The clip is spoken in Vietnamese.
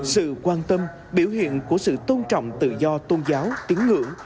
sự quan tâm biểu hiện của sự tôn trọng tự do tôn giáo